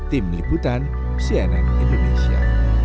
tim liputan cnn indonesia